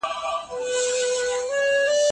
افراط د هر څه خوند خرابوي.